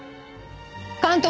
監督